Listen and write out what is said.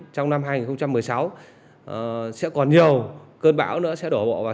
trong năm hai nghìn một mươi sáu sẽ còn nhiều cơn bão nữa sẽ đổ bộ vào